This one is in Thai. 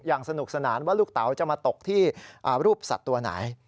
สนุกสนานว่าลูกเต๋าจะมาตกที่รูปสัตว์ตัวไหน